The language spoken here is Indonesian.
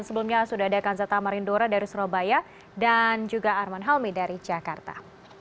dan sebelumnya sudah ada kansa tamarindora dari surabaya dan juga arman halmi dari jakarta